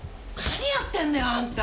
何やってんのよあんた！？